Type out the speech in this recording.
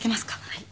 はい。